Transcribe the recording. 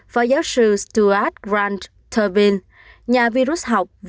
phó giáo sư stuart grant turvin nhà virus học